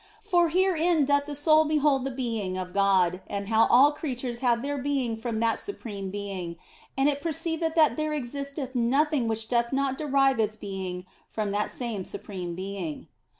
For herein doth the soul behold the Being of God, and how all creatures have their being from that Supreme Being, and it perceiveth that there existeth nothing which doth not derive its being from that same Supreme Being.